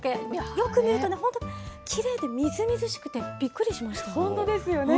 よく見るとね、本当、きれいでみずみずしくてびっくりしまし本当ですよね。